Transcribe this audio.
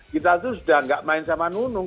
kita itu sudah tidak main sama nunung